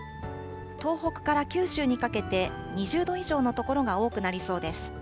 東北から九州にかけて、２０度以上の所が多くなりそうです。